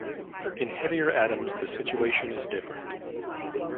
In heavier atoms the situation is different.